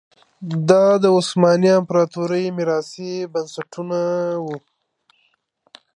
دا د عثماني امپراتورۍ میراثي بنسټونه وو.